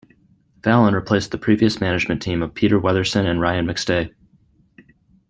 Fallon replaced the previous management team of Peter Weatherson and Ryan McStay.